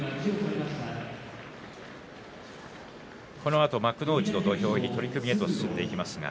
このあと幕内土俵入り取組へと進んでいきます。